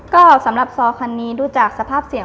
ก็สำหรับซอคันนี้ดูจากสภาพเสียง